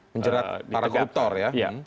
menjerat para koruptor ya